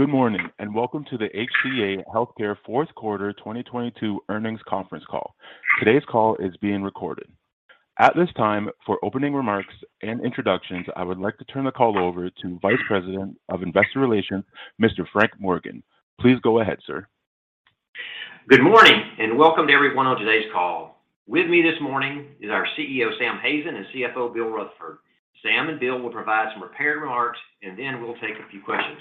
Good morning, welcome to the HCA Healthcare fourth quarter 2022 earnings conference call. Today's call is being recorded. At this time, for opening remarks and introductions, I would like to turn the call over to Vice President of Investor Relations, Mr. Frank Morgan, please go ahead, sir. Good morning, welcome to everyone on today's call. With me this morning is our CEO, Sam Hazen, and CFO, Bill Rutherford. Sam and Bill will provide some prepared remarks, and then we'll take a few questions.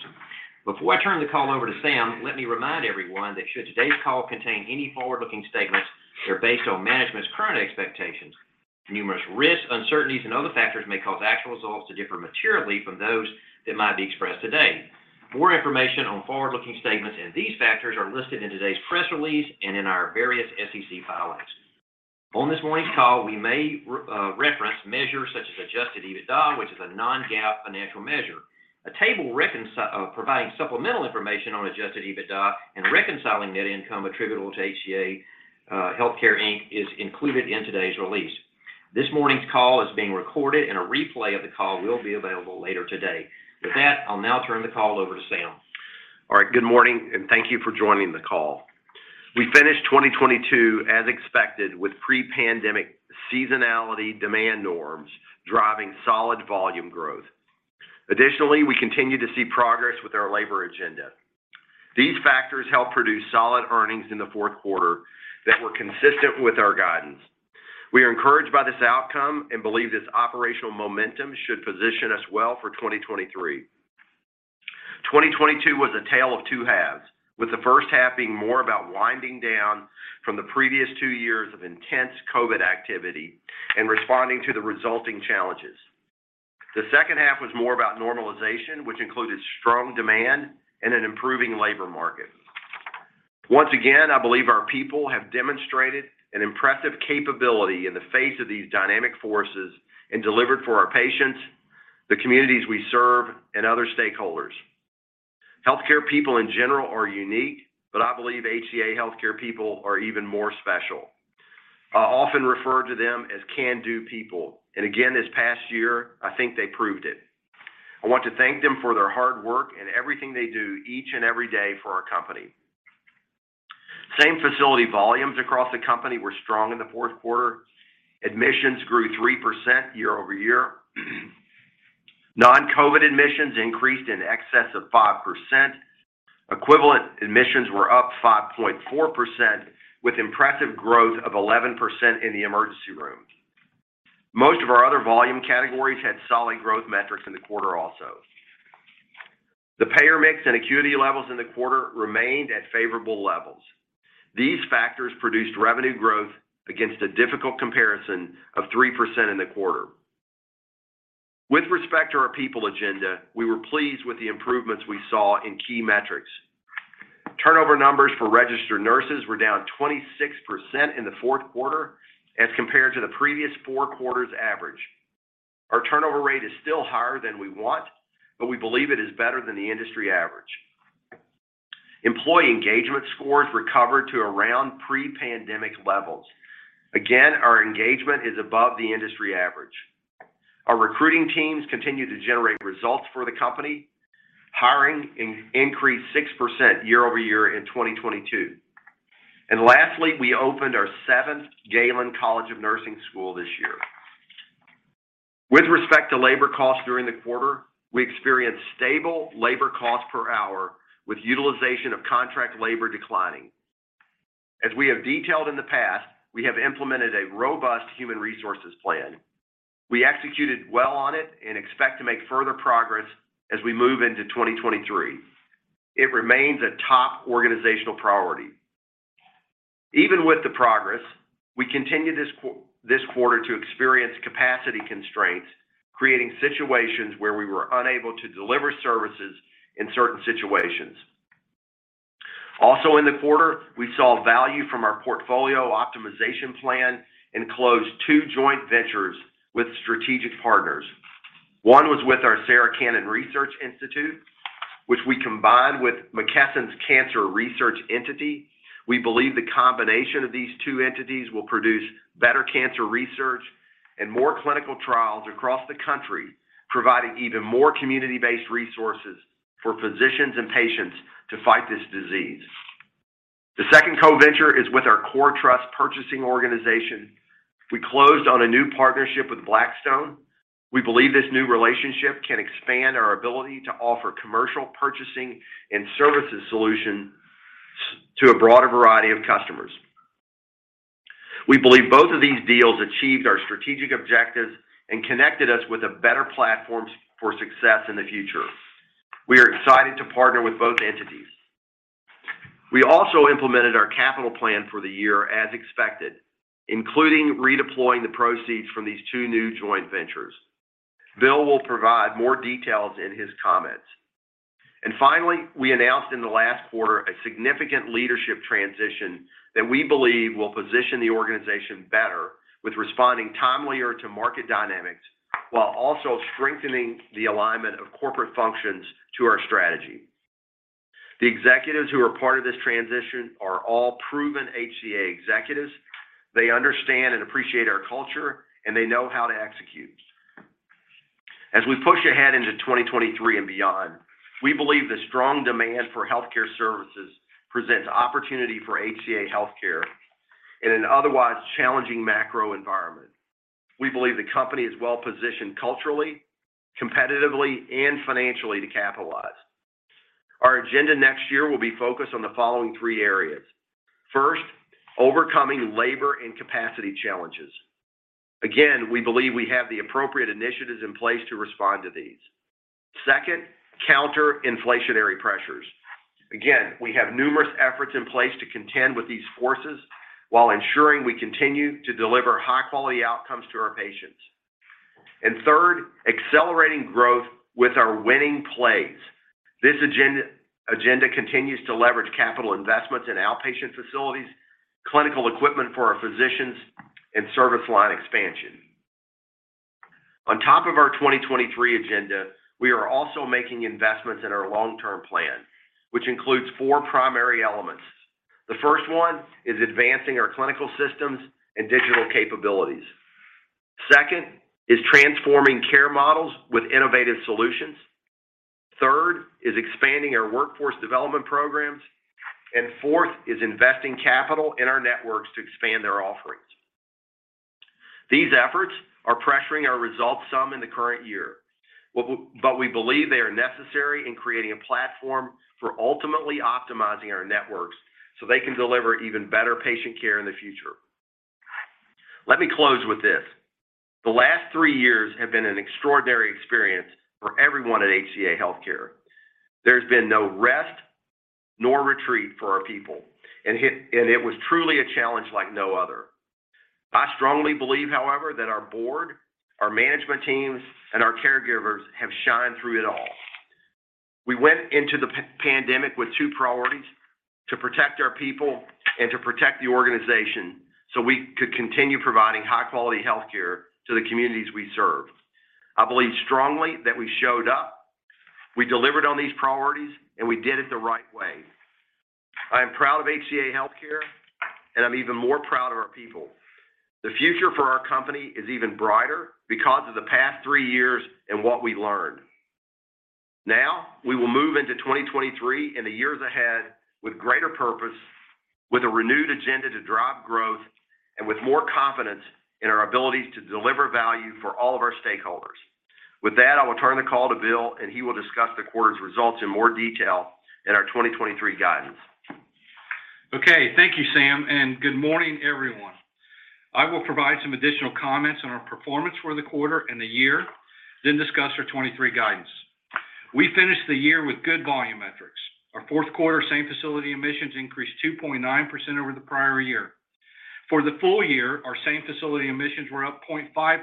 Before I turn the call over to Sam, let me remind everyone that should today's call contain any forward-looking statements, they're based on management's current expectations. Numerous risks, uncertainties, and other factors may cause actual results to differ materially from those that might be expressed today. More information on forward-looking statements and these factors are listed in today's press release and in our various SEC filings. On this morning's call, we may reference measures such as Adjusted EBITDA, which is a non-GAAP financial measure. A table providing supplemental information on Adjusted EBITDA and reconciling net income attributable to HCA Healthcare Inc. is included in today's release. This morning's call is being recorded, and a replay of the call will be available later today. With that, I'll now turn the call over to Sam. All right. Good morning, and thank you for joining the call. We finished 2022 as expected with pre-pandemic seasonality demand norms driving solid volume growth. Additionally, we continue to see progress with our labor agenda. These factors help produce solid earnings in the fourth quarter that were consistent with our guidance. We are encouraged by this outcome and believe this operational momentum should position us well for 2023. 2022 was a tale of two halves, with the first half being more about winding down from the previous two years of intense COVID activity and responding to the resulting challenges. The second half was more about normalization, which included strong demand and an improving labor market. Once again, I believe our people have demonstrated an impressive capability in the face of these dynamic forces and delivered for our patients, the communities we serve, and other stakeholders. Healthcare people in general are unique, but I believe HCA Healthcare people are even more special. I often refer to them as can-do people, and again, this past year, I think they proved it. I want to thank them for their hard work and everything they do each and every day for our company. Same-facility volumes across the company were strong in the fourth quarter. Admissions grew 3% year-over-year. Non-COVID admissions increased in excess of 5%. Equivalent admissions were up 5.4%, with impressive growth of 11% in the emergency room. Most of our other volume categories had solid growth metrics in the quarter also. The payer mix and acuity levels in the quarter remained at favorable levels. These factors produced revenue growth against a difficult comparison of 3% in the quarter. With respect to our people agenda, we were pleased with the improvements we saw in key metrics. Turnover numbers for registered nurses were down 26% in the fourth quarter as compared to the previous four quarters average. Our turnover rate is still higher than we want, we believe it is better than the industry average. Employee engagement scores recovered to around pre-pandemic levels. Again, our engagement is above the industry average. Our recruiting teams continue to generate results for the company. Hiring increased 6% year-over-year in 2022. Lastly, we opened our seventh Galen College of Nursing School this year. With respect to labor costs during the quarter, we experienced stable labor cost per hour with utilization of contract labor declining. As we have detailed in the past, we have implemented a robust human resources plan. We executed well on it and expect to make further progress as we move into 2023. It remains a top organizational priority. Even with the progress, we continued this quarter to experience capacity constraints, creating situations where we were unable to deliver services in certain situations. In the quarter, we saw value from our portfolio optimization plan and closed two joint ventures with strategic partners. One was with our Sarah Cannon Research Institute, which we combined with McKesson's cancer research entity. We believe the combination of these two entities will produce better cancer research and more clinical trials across the country, providing even more community-based resources for physicians and patients to fight this disease. The second co-venture is with our CoreTrust purchasing organization. We closed on a new partnership with Blackstone. We believe this new relationship can expand our ability to offer commercial purchasing and services solution to a broader variety of customers. We believe both of these deals achieved our strategic objectives and connected us with a better platform for success in the future. We are excited to partner with both entities. We also implemented our capital plan for the year as expected, including redeploying the proceeds from these two new joint ventures. Bill will provide more details in his comments. Finally, we announced in the last quarter a significant leadership transition that we believe will position the organization better with responding timelier to market dynamics while also strengthening the alignment of corporate functions to our strategy. The executives who are part of this transition are all proven HCA executives. They understand and appreciate our culture, and they know how to execute. We push ahead into 2023 and beyond, we believe the strong demand for healthcare services presents opportunity for HCA Healthcare in an otherwise challenging macro environment. We believe the company is well-positioned culturally, competitively, and financially to capitalize. Our agenda next year will be focused on the following three areas. First, overcoming labor and capacity challenges. Again, we believe we have the appropriate initiatives in place to respond to these. Second, counter inflationary pressures. Again, we have numerous efforts in place to contend with these forces while ensuring we continue to deliver high-quality outcomes to our patients. Third, accelerating growth with our winning plays. This agenda continues to leverage capital investments in outpatient facilities, clinical equipment for our physicians, and service line expansion. On top of our 2023 agenda, we are also making investments in our long-term plan, which includes four primary elements. The first one is advancing our clinical systems and digital capabilities. Second is transforming care models with innovative solutions. Third is expanding our workforce development programs. Fourth is investing capital in our networks to expand their offerings. These efforts are pressuring our results some in the current year, but we believe they are necessary in creating a platform for ultimately optimizing our networks, so they can deliver even better patient care in the future. Let me close with this. The last three years have been an extraordinary experience for everyone at HCA Healthcare. There's been no rest nor retreat for our people, and it was truly a challenge like no other. I strongly believe, however, that our board, our management teams, and our caregivers have shined through it all. We went into the pandemic with two priorities: to protect our people and to protect the organization, so we could continue providing high-quality health care to the communities we serve. I believe strongly that we showed up, we delivered on these priorities, and we did it the right way. I am proud of HCA Healthcare, and I'm even more proud of our people. The future for our company is even brighter because of the past three years and what we learned. Now, we will move into 2023 and the years ahead with greater purpose, with a renewed agenda to drive growth, and with more confidence in our ability to deliver value for all of our stakeholders. With that, I will turn the call to Bill, and he will discuss the quarter's results in more detail and our 2023 guidance. Okay. Thank you, Sam, and good morning, everyone. I will provide some additional comments on our performance for the quarter and the year, then discuss our 2023 guidance. We finished the year with good volume metrics. Our fourth quarter same-facility admissions increased 2.9% over the prior year. For the full year, our same-facility admissions were up 0.5%.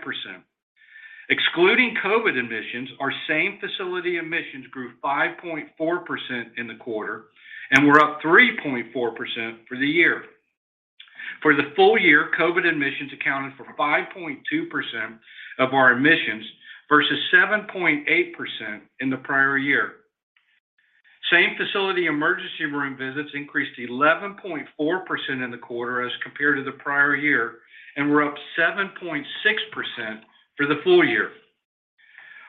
Excluding COVID admissions, our same-facility admissions grew 5.4% in the quarter and were up 3.4% for the year. For the full year, COVID admissions accounted for 5.2% of our admissions versus 7.8% in the prior year. Same-facility emergency room visits increased 11.4% in the quarter as compared to the prior year and were up 7.6% for the full year.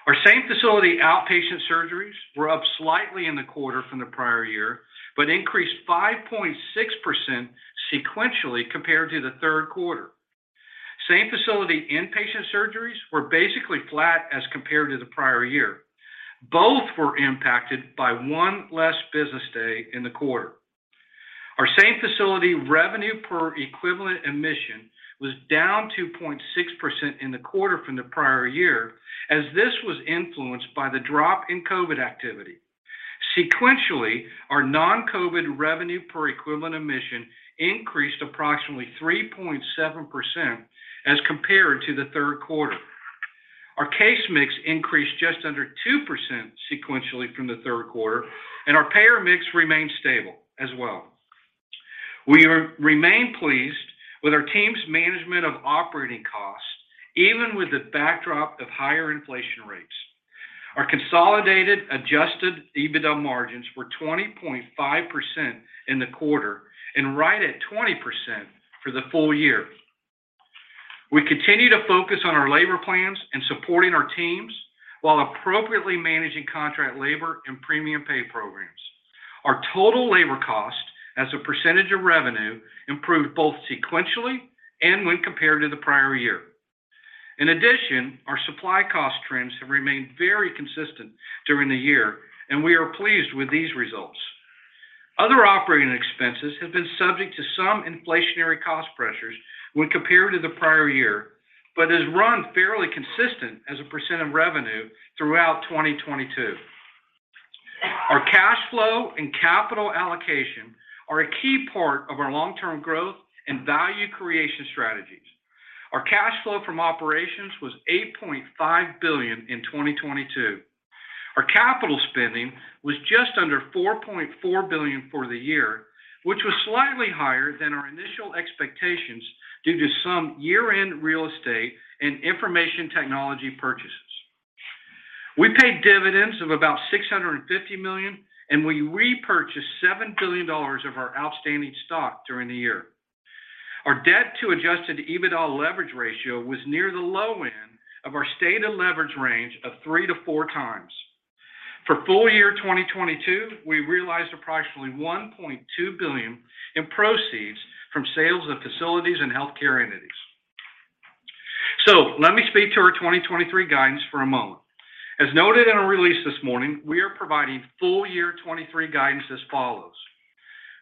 Our same-facility outpatient surgeries were up slightly in the quarter from the prior year. Increased 5.6% sequentially compared to the third quarter. Same-facility inpatient surgeries were basically flat as compared to the prior year. Both were impacted by one less business day in the quarter. Our same-facility revenue per equivalent admission was down 2.6% in the quarter from the prior year, as this was influenced by the drop in COVID activity. Sequentially, our non-COVID revenue per equivalent admission increased approximately 3.7% as compared to the third quarter. Our case mix increased just under 2% sequentially from the third quarter, and our payer mix remained stable as well. We remain pleased with our team's management of operating costs, even with the backdrop of higher inflation rates. Our consolidated Adjusted EBITDA margins were 20.5% in the quarter and right at 20% for the full year. We continue to focus on our labor plans and supporting our teams while appropriately managing contract labor and premium pay programs. Our total labor cost as a % of revenue improved both sequentially and when compared to the prior year. In addition, our supply cost trends have remained very consistent during the year, and we are pleased with these results. Other operating expenses have been subject to some inflationary cost pressures when compared to the prior year, has run fairly consistent as a % of revenue throughout 2022. Our cash flow and capital allocation are a key part of our long-term growth and value creation strategies. Our cash flow from operations was $8.5 billion in 2022. Our capital spending was just under $4.4 billion for the year, which was slightly higher than our initial expectations due to some year-end real estate and information technology purchases. We paid dividends of about $650 million, and we repurchased $7 billion of our outstanding stock during the year. Our debt to Adjusted EBITDA leverage ratio was near the low end of our stated leverage range of three-four times. For full year 2022, we realized approximately $1.2 billion in proceeds from sales of facilities and healthcare entities. Let me speak to our 2023 guidance for a moment. As noted in our release this morning, we are providing full year 2023 guidance as follows.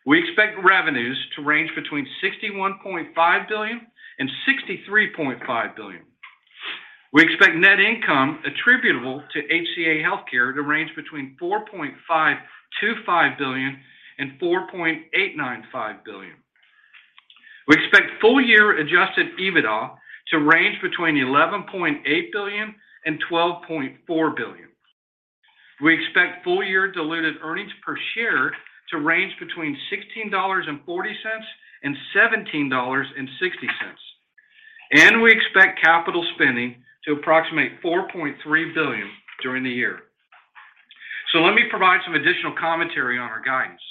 We expect revenues to range between $61.5 billion and $63.5 billion. We expect net income attributable to HCA Healthcare to range between $4.525 billion and $4.895 billion. We expect full year Adjusted EBITDA to range between $11.8 billion and $12.4 billion. We expect full year diluted earnings per share to range between $16.40 and $17.60. We expect capital spending to approximate $4.3 billion during the year. Let me provide some additional commentary on our guidance.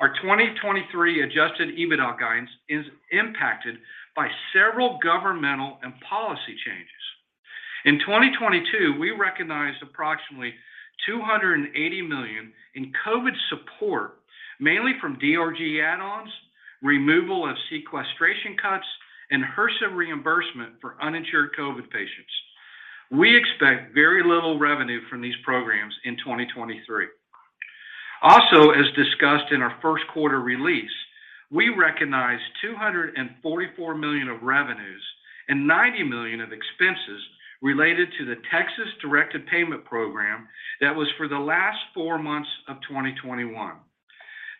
Our 2023 Adjusted EBITDA guidance is impacted by several governmental and policy changes. In 2022, we recognized approximately $280 million in COVID support, mainly from DRG add-ons, removal of sequestration cuts, and HRSA reimbursement for uninsured COVID patients. We expect very little revenue from these programs in 2023. Also, as discussed in our first quarter release, we recognized $244 million of revenues and $90 million of expenses related to the Texas Directed Payment Program that was for the last four months of 2021.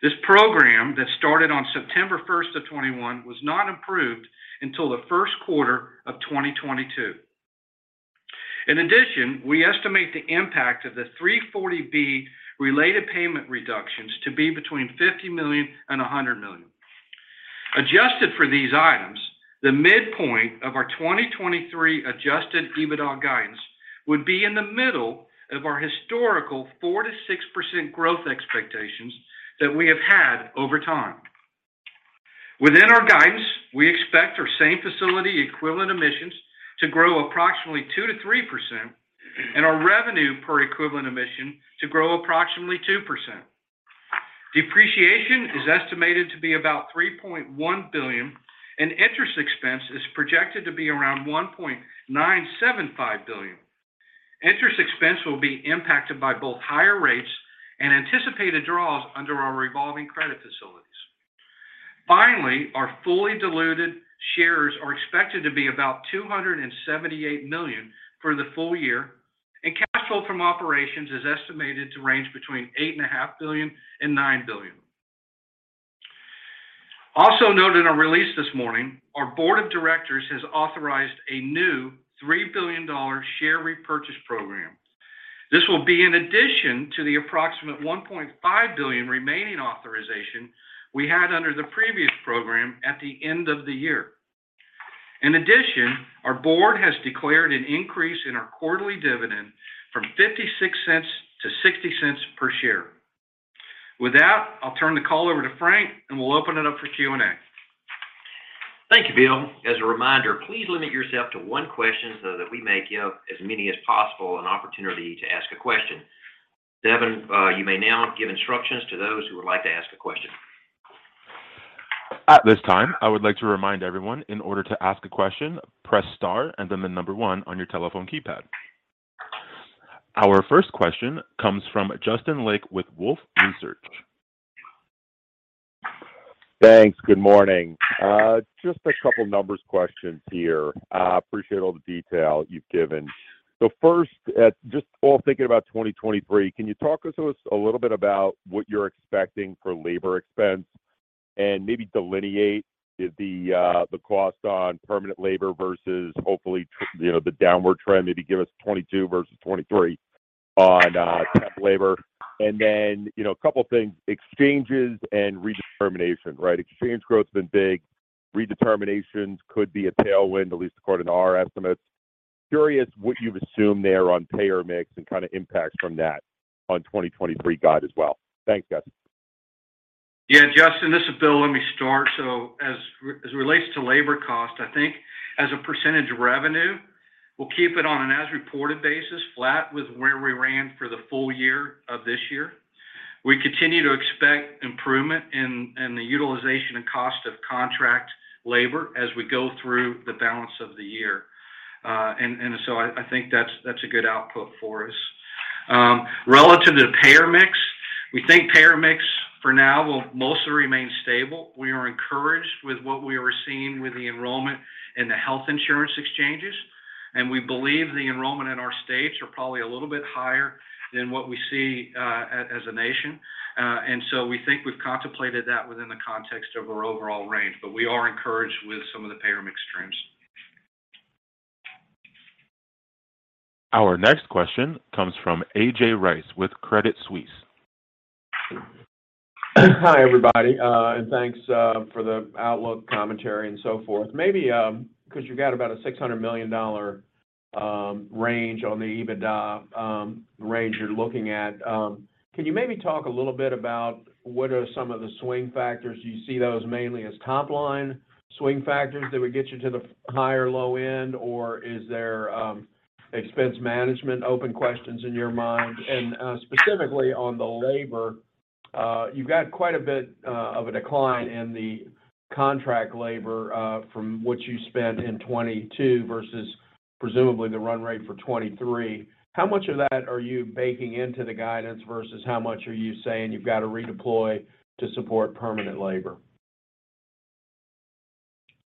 This program that started on September 1, 2021 was not approved until the first quarter of 2022. In addition, we estimate the impact of the 340B related payment reductions to be between $50 million and $100 million. Adjusted for these items, the midpoint of our 2023 Adjusted EBITDA guidance would be in the middle of our historical 4%-6% growth expectations that we have had over time. Within our guidance, we expect our same facility equivalent admissions to grow approximately 2%-3% and our revenue per equivalent admission to grow approximately 2%. Depreciation is estimated to be about $3.1 billion. Interest expense is projected to be around $1.975 billion. Interest expense will be impacted by both higher rates and anticipated draws under our revolving credit facilities. Our fully diluted shares are expected to be about 278 million for the full year, and cash flow from operations is estimated to range between $8.5 billion and $9 billion. Noted in our release this morning, our board of directors has authorized a new $3 billion share repurchase program. This will be in addition to the approximate $1.5 billion remaining authorization we had under the previous program at the end of the year. Our board has declared an increase in our quarterly dividend from $0.56 to $0.60 per share. With that, I'll turn the call over to Frank, and we'll open it up for Q&A. Thank you, Bill. As a reminder, please limit yourself to one question so that we may give as many as possible an opportunity to ask a question. Devin, you may now give instructions to those who would like to ask a question. At this time, I would like to remind everyone in order to ask a question, press star and then the number one on your telephone keypad. Our first question comes from Justin Lake with Wolfe Research. Thanks. Good morning. Just a couple numbers questions here. Appreciate all the detail you've given. First, just all thinking about 2023, can you talk to us a little bit about what you're expecting for labor expense and maybe delineate the cost on permanent labor versus hopefully, you know, the downward trend. Maybe give us 22 versus 23 on temp labor. You know, a couple things, exchanges and redetermination, right? Exchange growth has been big. Redeterminations could be a tailwind, at least according to our estimates. Curious what you've assumed there on payer mix and kinda impacts from that on 2023 guide as well. Thanks, guys. Yeah, Justin, this is Bill. Let me start. As it relates to labor cost, I think as a % of revenue, we'll keep it on an as-reported basis, flat with where we ran for the full year of this year. And so I think that's a good output for us. Relative to payer mix, we think payer mix for now will mostly remain stable. We are encouraged with what we are seeing with the enrollment in the health insurance exchanges, and we believe the enrollment in our states are probably a little bit higher than what we see as a nation. We think we've contemplated that within the context of our overall range, but we are encouraged with some of the payer mix trends. Our next question comes from A.J. Rice with Credit Suisse. Hi, everybody, and thanks for the outlook commentary and so forth. Maybe, 'cause you've got about a $600 million range on the EBITDA range you're looking at. Can you maybe talk a little bit about what are some of the swing factors? Do you see those mainly as top line swing factors that would get you to the high or low end, or is there expense management open questions in your mind? Specifically on the labor, you've got quite a bit of a decline in the contract labor from what you spent in 2022 versus presumably the run rate for 2023. How much of that are you baking into the guidance versus how much are you saying you've got to redeploy to support permanent labor?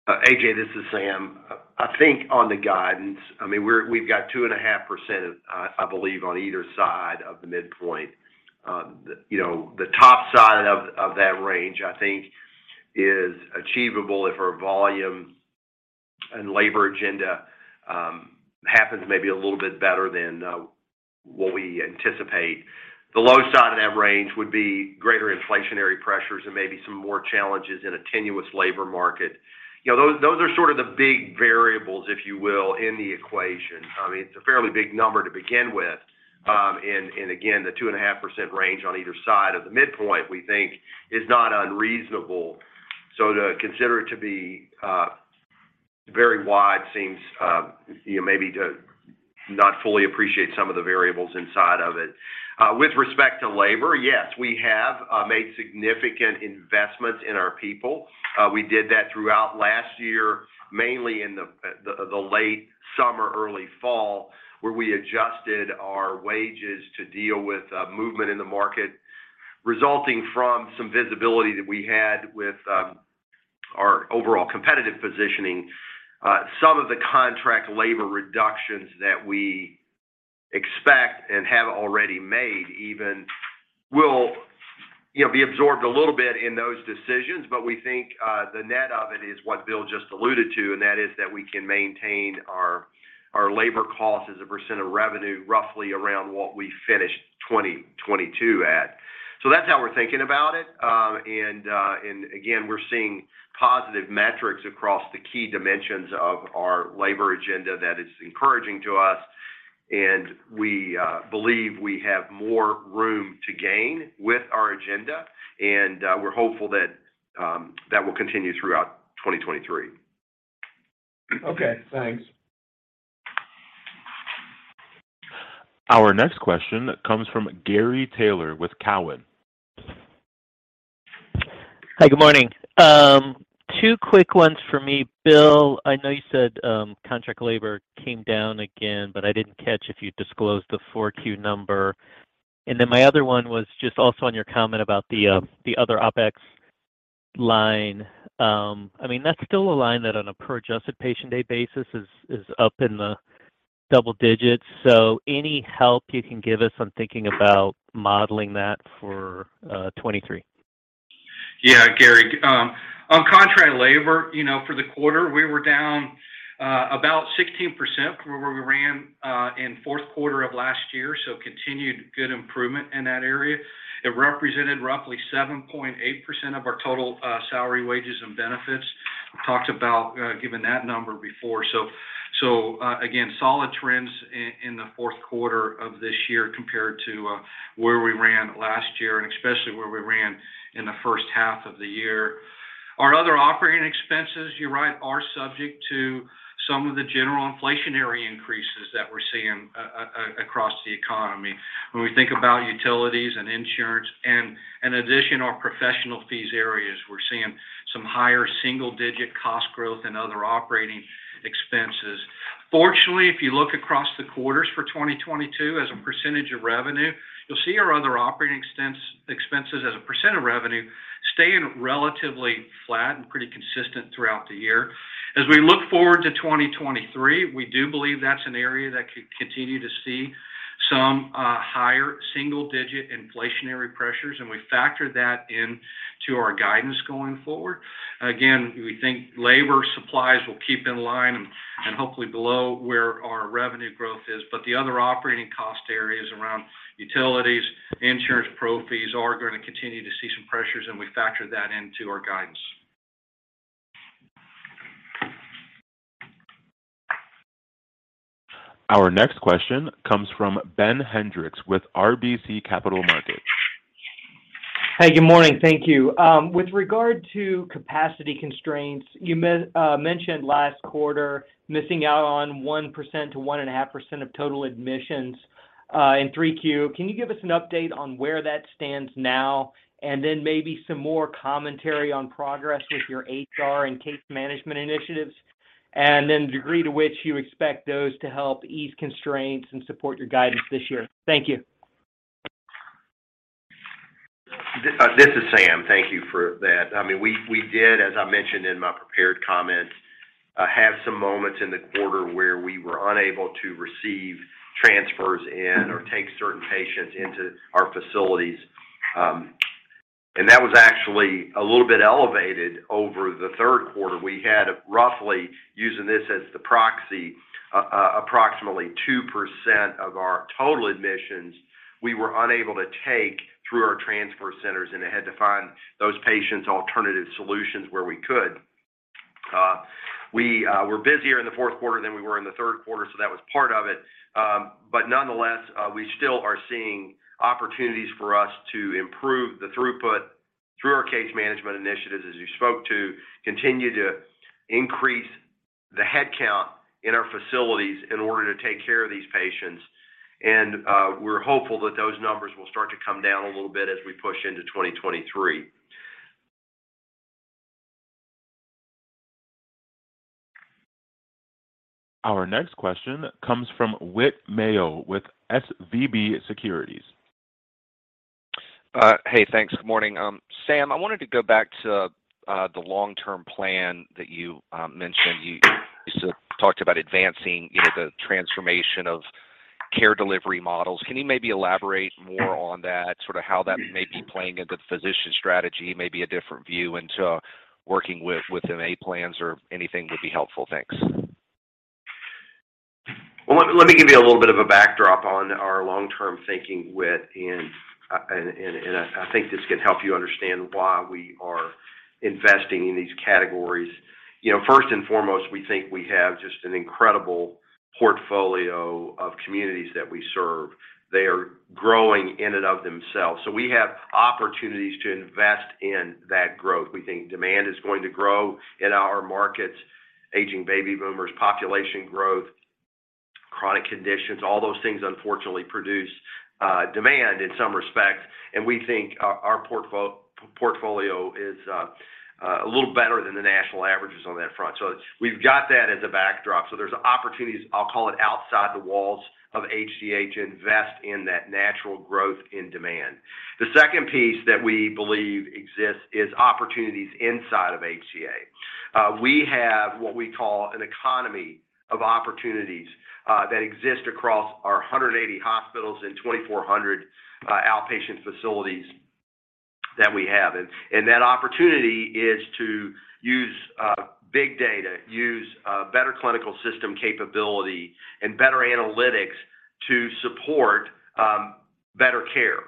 A.J., this is Sam. I think on the guidance, I mean, we've got 2.5%, I believe, on either side of the midpoint. You know, the top side of that range, I think is achievable if our volume and labor agenda happens maybe a little bit better than what we anticipate. The low side of that range would be greater inflationary pressures and maybe some more challenges in a tenuous labor market. You know, those are sort of the big variables, if you will, in the equation. I mean, it's a fairly big number to begin with. Again, the 2.5% range on either side of the midpoint, we think is not unreasonable. To consider it to be very wide seems, you know, maybe to not fully appreciate some of the variables inside of it. With respect to labor, yes, we have made significant investments in our people. We did that throughout last year, mainly in the late summer, early fall, where we adjusted our wages to deal with movement in the market, resulting from some visibility that we had with our overall competitive positioning. Some of the contract labor reductions that we expect and have already made even will, you know, be absorbed a little bit in those decisions. We think the net of it is what Bill just alluded to, and that is that we can maintain our labor cost as a % of revenue, roughly around what we finished 2022 at. That's how we're thinking about it. Again, we're seeing positive metrics across the key dimensions of our labor agenda that is encouraging to us. We believe we have more room to gain with our agenda, and we're hopeful that will continue throughout 2023. Okay, thanks. Our next question comes from Gary Taylor with Cowen. Hi, good morning. two quick ones for me. Bill, I know you said, contract labor came down again, but I didn't catch if you disclosed the 4Q number. My other one was just also on your comment about the other OpEx line. I mean, that's still a line that on a per adjusted patient day basis is up in the double digits. Any help you can give us on thinking about modeling that for 2023? Yeah, Gary. On contract labor, you know, for the quarter, we were down about 16% from where we ran in fourth quarter of last year. Continued good improvement in that area. It represented roughly 7.8% of our total salary, wages, and benefits. We talked about giving that number before. Again, solid trends in the fourth quarter of this year compared to where we ran last year, and especially where we ran in the first half of the year. Our other operating expenses, you're right, are subject to some of the general inflationary increases that we're seeing across the economy. When we think about utilities and insurance and in addition, our professional fees areas, we're seeing some higher single digit cost growth and other operating expenses. Fortunately, if you look across the quarters for 2022 as a % of revenue, you'll see our other operating expenses as a % of revenue staying relatively flat and pretty consistent throughout the year. As we look forward to 2023, we do believe that's an area that could continue to see some higher single-digit inflationary pressures, and we factor that into our guidance going forward. Again, we think labor supplies will keep in line and hopefully below where our revenue growth is. The other operating cost areas around utilities, insurance, pro fees are gonna continue to see some pressures, and we factor that into our guidance. Our next question comes from Ben Hendrix with RBC Capital Markets. Hey, good morning. Thank you. With regard to capacity constraints, you mentioned last quarter missing out on 1%-1.5% of total admissions, in 3Q. Can you give us an update on where that stands now? Maybe some more commentary on progress with your HR and case management initiatives. The degree to which you expect those to help ease constraints and support your guidance this year. Thank you. This, this is Sam. Thank you for that. I mean, we did, as I mentioned in my prepared comments, have some moments in the quarter where we were unable to receive transfers in or take certain patients into our facilities. That was actually a little bit elevated over the third quarter. We had roughly, using this as the proxy, approximately 2% of our total admissions we were unable to take through our transfer centers. They had to find those patients alternative solutions where we could. We were busier in the fourth quarter than we were in the third quarter. That was part of it. Nonetheless, we still are seeing opportunities for us to improve the throughput through our case management initiatives, as you spoke to, continue to increase the head count in our facilities in order to take care of these patients. We're hopeful that those numbers will start to come down a little bit as we push into 2023. Our next question comes from Whit Mayo with SVB Securities. Hey, thanks. Good morning. Sam, I wanted to go back to the long-term plan that you mentioned. You talked about advancing, you know, the transformation of care delivery models. Can you maybe elaborate more on that, sort of how that may be playing into the physician strategy, maybe a different view into working with within MA plans or anything would be helpful. Thanks. Well, let me give you a little bit of a backdrop on our long-term thinking with and I think this can help you understand why we are investing in these categories. You know, first and foremost, we think we have just an incredible portfolio of communities that we serve. They are growing in and of themselves, so we have opportunities to invest in that growth. We think demand is going to grow in our markets, aging baby boomers, population growth, chronic conditions, all those things unfortunately produce demand in some respects. We think our portfolio is a little better than the national averages on that front. We've got that as a backdrop. There's opportunities, I'll call it, outside the walls of HCA to invest in that natural growth in demand. The second piece that we believe exists is opportunities inside of HCA. We have what we call an economy of opportunities that exist across our 180 hospitals and 2,400 outpatient facilities that we have. That opportunity is to use big data, use better clinical system capability and better analytics to support better care.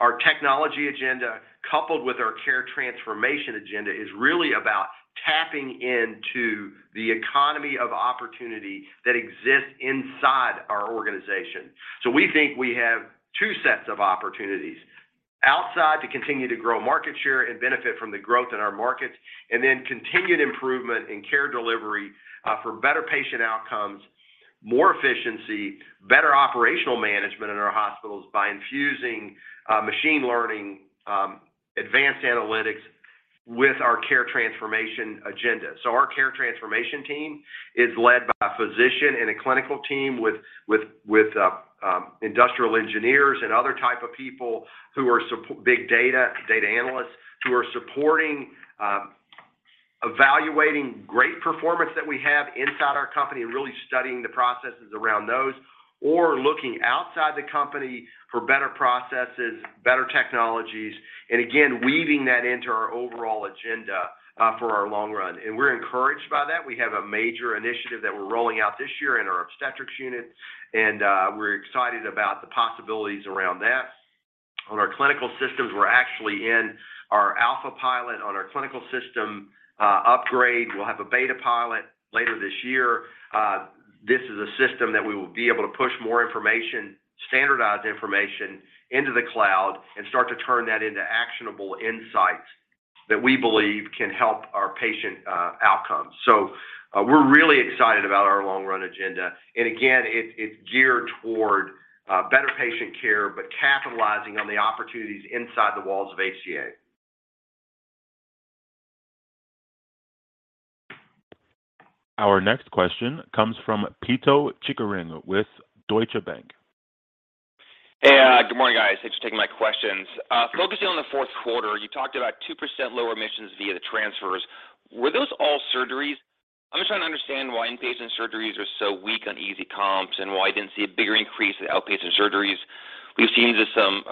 Our technology agenda, coupled with our care transformation agenda, is really about tapping into the economy of opportunity that exists inside our organization. We think we have two sets of opportunities: outside to continue to grow market share and benefit from the growth in our markets, and then continued improvement in care delivery for better patient outcomes, more efficiency, better operational management in our hospitals by infusing machine learning, advanced analytics with our care transformation agenda. Our care transformation team is led by a physician and a clinical team with industrial engineers and other type of people who are big data analysts who are supporting evaluating great performance that we have inside our company and really studying the processes around those or looking outside the company for better processes, better technologies, and again, weaving that into our overall agenda for our long run. We're encouraged by that. We have a major initiative that we're rolling out this year in our obstetrics unit, and we're excited about the possibilities around that. On our clinical systems, we're actually in our alpha pilot on our clinical system upgrade. We'll have a beta pilot later this year. This is a system that we will be able to push more information, standardized information into the cloud and start to turn that into actionable insights that we believe can help our patient outcomes. We're really excited about our long run agenda. Again, it's geared toward better patient care, but capitalizing on the opportunities inside the walls of HCA. Our next question comes from Pito Chickering with Deutsche Bank. Hey, good morning, guys. Thanks for taking my questions. Focusing on the fourth quarter, you talked about 2% lower admissions via the transfers. Were those all surgeries? I'm just trying to understand why inpatient surgeries are so weak on easy comps and why I didn't see a bigger increase in outpatient surgeries. We've seen some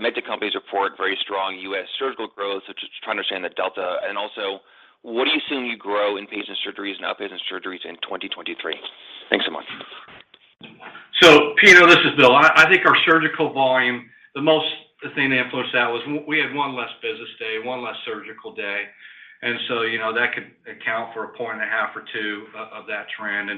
med tech companies report very strong U.S. surgical growth. Just trying to understand the delta. Also, what are you seeing you grow inpatient surgeries and outpatient surgeries in 2023? Thanks so much Pito, this is Bill. I think our surgical volume, the thing that influenced that was we had one less business day, one less surgical day. You know, that could account for 1.5 or two of that trend.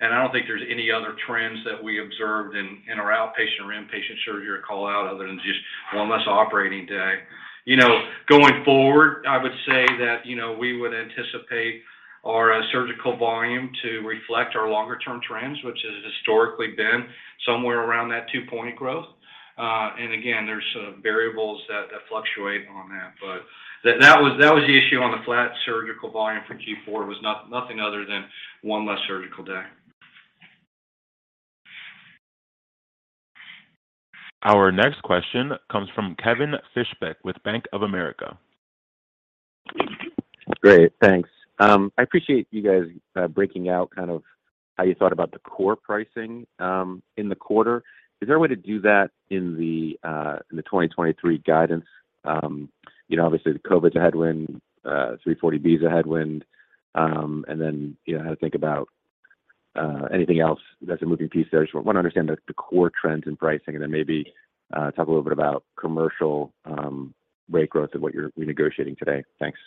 I don't think there's any other trends that we observed in our outpatient or inpatient surgery to call out other than just one less operating day. You know, going forward, I would say that, you know, we would anticipate our surgical volume to reflect our longer term trends, which has historically been somewhere around that two-point growth. Again, there's variables that fluctuate on that, but that was the issue on the flat surgical volume for Q4 was nothing other than one less surgical day. Our next question comes from Kevin Fischbeck with Bank of America. Great. Thanks. I appreciate you guys breaking out kind of how you thought about the core pricing in the quarter. Is there a way to do that in the in the 2023 guidance? You know, obviously the COVID's a headwind, 340B is a headwind. You know, how to think about anything else that's a moving piece there. Just wanna understand the core trends in pricing, and then maybe talk a little bit about commercial rate growth and what you're renegotiating today. Thanks.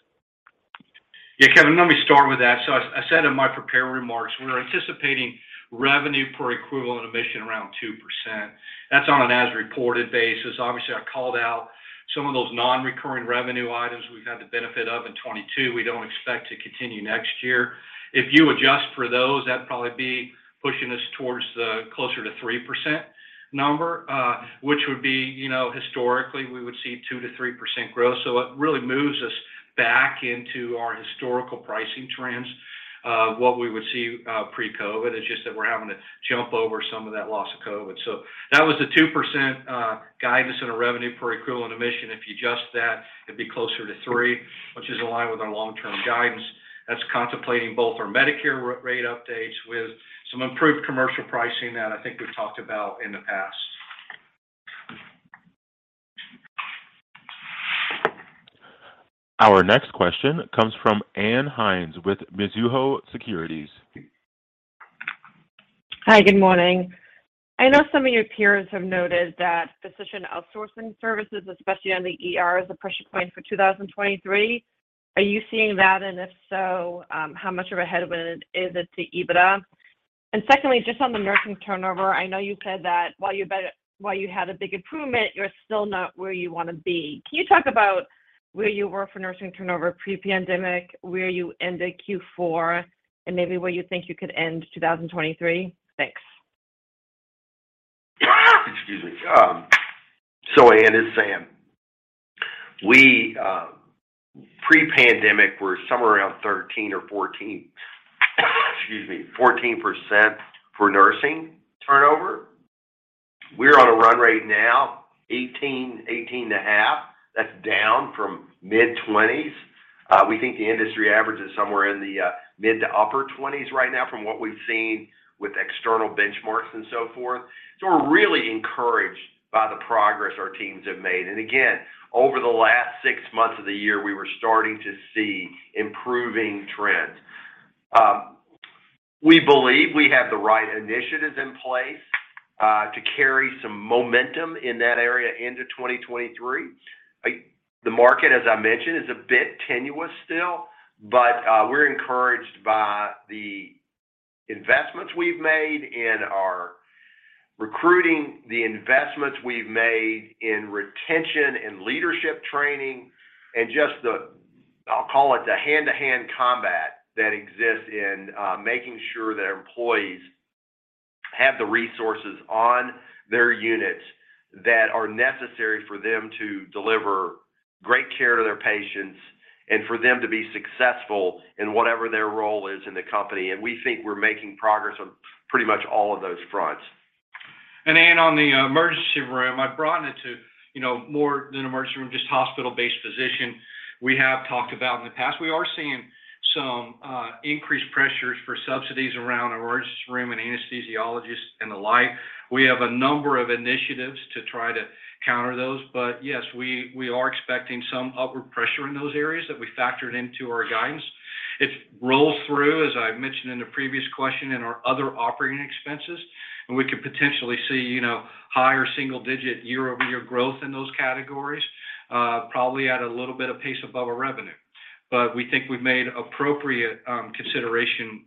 Yeah, Kevin, let me start with that. As I said in my prepared remarks, we're anticipating revenue per equivalent admission around 2%. That's on an as-reported basis. Obviously, I called out some of those non-recurring revenue items we've had the benefit of in 2022, we don't expect to continue next year. If you adjust for those, that'd probably be pushing us towards the closer to 3% number, which would be, you know, historically, we would see 2%-3% growth. It really moves us back into our historical pricing trends, what we would see pre-COVID. It's just that we're having to jump over some of that loss of COVID. That was the 2% guidance in a revenue per equivalent admission. If you adjust that, it'd be closer to 3%, which is in line with our long-term guidance. That's contemplating both our Medicare rate updates with some improved commercial pricing that I think we've talked about in the past. Our next question comes from Ann Hynes with Mizuho Securities. Hi, good morning. I know some of your peers have noted that physician outsourcing services, especially on the ER, is a pressure point for 2023. Are you seeing that? If so, how much of a headwind is it to EBITDA? Secondly, just on the nursing turnover, I know you said that while you had a big improvement, you're still not where you wanna be. Can you talk about where you were for nursing turnover pre-pandemic, where you end at Q4, and maybe where you think you could end 2023? Thanks. Excuse me. Ann, it's Sam. We, pre-pandemic were somewhere around 13 or 14, excuse me, 14% for nursing turnover. We're on a run rate now, 18 and a half. That's down from mid-20s. We think the industry average is somewhere in the mid-to-upper 20s right now from what we've seen with external benchmarks and so forth. We're really encouraged by the progress our teams have made. Again, over the last six months of the year, we were starting to see improving trends. We believe we have the right initiatives in place to carry some momentum in that area into 2023. The market, as I mentioned, is a bit tenuous still, but, we're encouraged by the investments we've made in our recruiting, the investments we've made in retention and leadership training, and just the, I'll call it the hand-to-hand combat that exists in, making sure that our employees have the resources on their units that are necessary for them to deliver great care to their patients and for them to be successful in whatever their role is in the company. We think we're making progress on pretty much all of those fronts. Ann, on the emergency room, I broadened it to, you know, more than emergency room, just hospital-based physician we have talked about in the past. We are seeing some increased pressures for subsidies around emergency room and anesthesiologists and the like. We have a number of initiatives to try to counter those. Yes, we are expecting some upward pressure in those areas that we factored into our guidance. It rolls through, as I mentioned in a previous question, in our other operating expenses, and we could potentially see, you know, higher single-digit year-over-year growth in those categories, probably at a little bit of pace above our revenue. We think we've made appropriate consideration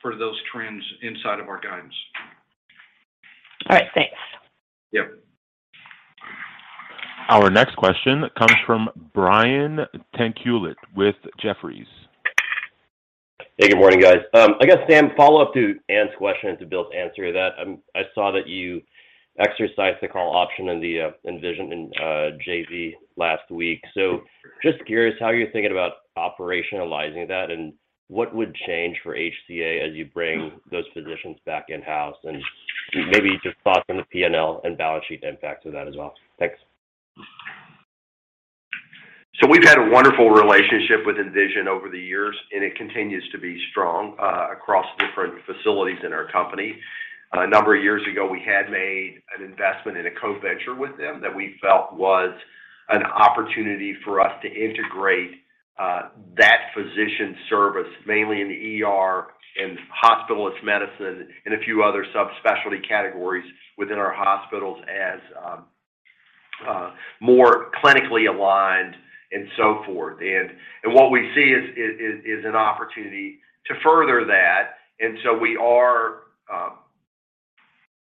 for those trends inside of our guidance. All right. Thanks. Yeah. Our next question comes from Brian Tanquilut with Jefferies. Hey, good morning, guys. I guess, Sam, follow-up to Ann's question, to Bill's answer that, I saw that you exercised the call option in the Envision in JV last week. Just curious, how are you thinking about operationalizing that, and what would change for HCA as you bring those physicians back in-house? Maybe just thoughts on the P&L and balance sheet impact of that as well. Thanks. We've had a wonderful relationship with Envision over the years, and it continues to be strong across different facilities in our company. A number of years ago, we had made an investment in a co-venture with them that we felt was an opportunity for us to integrate that physician service, mainly in the ER and hospitalist medicine and a few other subspecialty categories within our hospitals as more clinically aligned and so forth. What we see is an opportunity to further that, we are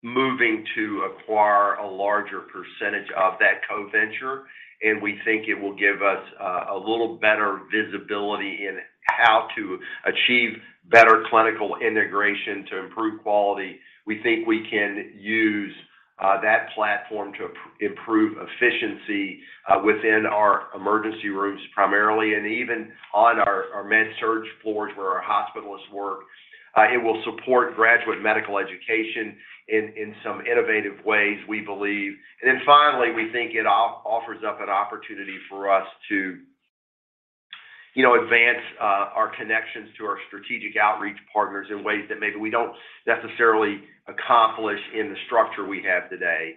moving to acquire a larger percentage of that co-venture, and we think it will give us a little better visibility in how to achieve better clinical integration to improve quality. We think we can use that platform to improve efficiency within our emergency rooms, primarily, and even on our med-surg floors where our hospitalists work. It will support graduate medical education in some innovative ways, we believe. We think it offers up an opportunity for us to You know, advance our connections to our strategic outreach partners in ways that maybe we don't necessarily accomplish in the structure we have today.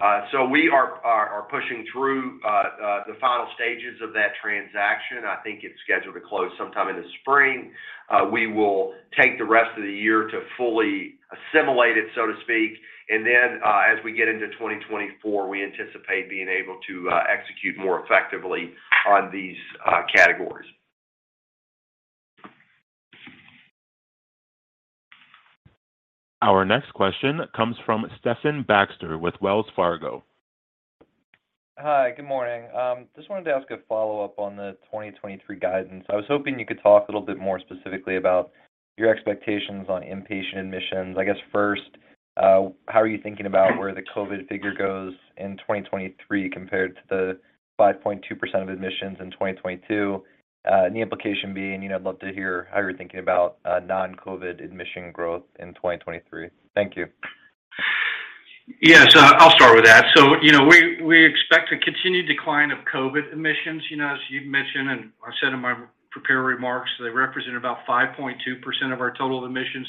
We are pushing through the final stages of that transaction. I think it's scheduled to close sometime in the spring. We will take the rest of the year to fully assimilate it, so to speak. As we get into 2024, we anticipate being able to execute more effectively on these categories. Our next question comes from Stephen Baxter with Wells Fargo. Hi. Good morning. Just wanted to ask a follow-up on the 2023 guidance. I was hoping you could talk a little bit more specifically about your expectations on inpatient admissions. I guess first, how are you thinking about where the COVID figure goes in 2023 compared to the 5.2% of admissions in 2022? The implication being, you know, I'd love to hear how you're thinking about, non-COVID admission growth in 2023. Thank you. Yes. I'll start with that. You know, we expect a continued decline of COVID admissions, you know, as you've mentioned, and I said in my prepared remarks, they represent about 5.2% of our total admissions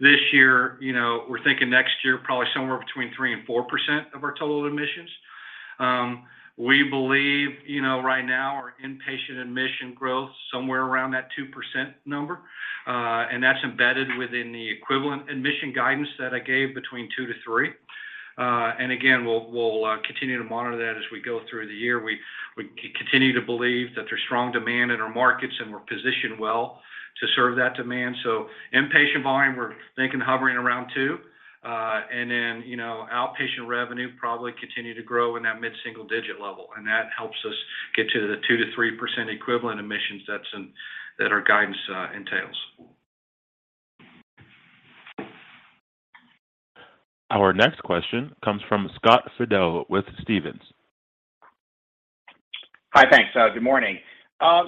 this year. You know, we're thinking next year, probably somewhere between 3% and 4% of our total admissions. We believe, you know, right now our inpatient admission growth somewhere around that 2% number, and that's embedded within the equivalent admission guidance that I gave between 2%-3%. Again, we'll continue to monitor that as we go through the year. We continue to believe that there's strong demand in our markets, and we're positioned well to serve that demand. Inpatient volume, we're thinking hovering around 2%. You know, outpatient revenue probably continue to grow in that mid-single digit level, and that helps us get to the 2%-3% equivalent admissions that our guidance entails. Our next question comes from Scott Fidel with Stephens. Hi. Thanks. Good morning.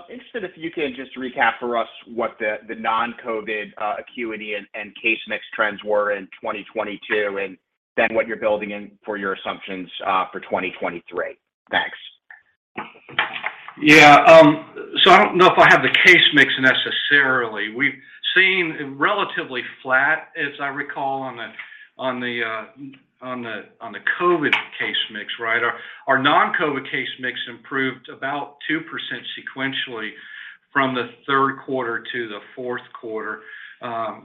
Interested if you can just recap for us what the non-COVID acuity and case mix trends were in 2022, and then what you're building in for your assumptions for 2023. Thanks. I don't know if I have the case mix necessarily. We've seen relatively flat, as I recall, on the COVID case mix, right? Our non-COVID case mix improved about 2% sequentially from the third quarter to the fourth quarter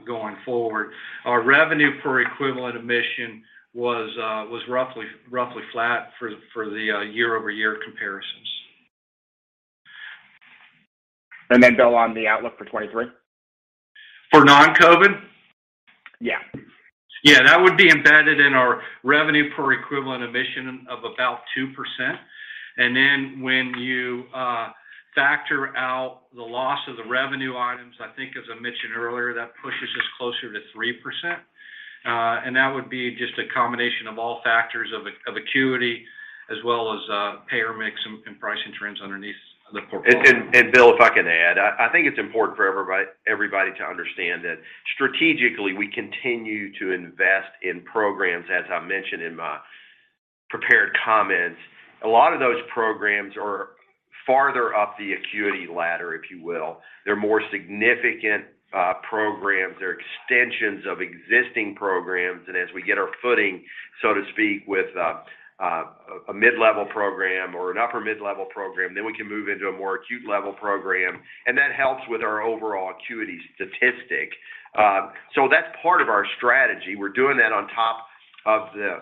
going forward. Our revenue per equivalent admission was roughly flat for the year-over-year comparisons. Bill, on the outlook for 2023. For non-COVID? Yeah. Yeah, that would be embedded in our revenue per equivalent admission of about 2%. When you factor out the loss of the revenue items, I think as I mentioned earlier, that pushes us closer to 3%. That would be just a combination of all factors of acuity as well as payer mix and pricing trends underneath the portfolio. Bill, if I can add, I think it's important for everybody to understand that strategically, we continue to invest in programs, as I mentioned in my prepared comments. A lot of those programs are farther up the acuity ladder, if you will. They're more significant, programs. They're extensions of existing programs. As we get our footing, so to speak, with a mid-level program or an upper mid-level program, then we can move into a more acute level program, and that helps with our overall acuity statistic. That's part of our strategy. We're doing that on top of the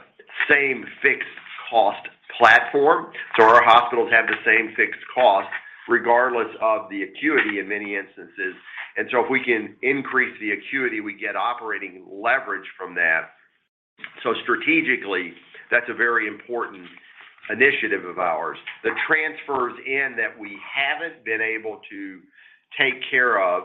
same fixed cost platform. Our hospitals have the same fixed cost regardless of the acuity in many instances. If we can increase the acuity, we get operating leverage from that. Strategically, that's a very important initiative of ours. The transfers in that we haven't been able to take care of